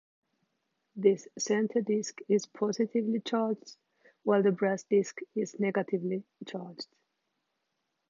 This center disc is positively charged while the brass disc is negatively charged.